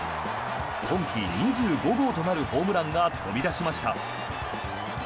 今季２５号となるホームランが飛び出しました。